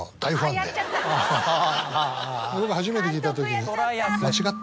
僕初めて聞いた時に。